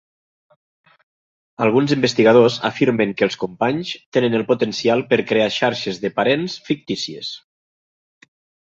Alguns investigadors afirmen que els companys tenen el potencial per crear xarxes de parents fictícies.